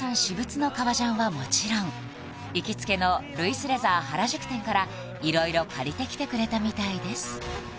私物の革ジャンはもちろん行きつけのルイスレザー原宿店から色々借りてきてくれたみたいです